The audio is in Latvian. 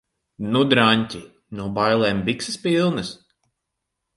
Nu, draņķi? No bailēm bikses pilnas?